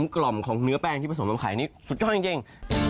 กล่อมของเนื้อแป้งที่ผสมมาขายนี่สุดยอดจริง